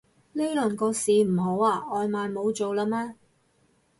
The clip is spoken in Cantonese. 呢輪個市唔好啊？外賣冇做喇咩